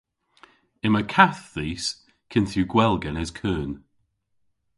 Yma kath dhis kynth yw gwell genes keun.